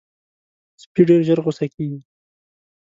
سپي ډېر ژر غصه کېږي.